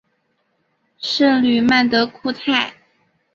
圣吕曼德库泰。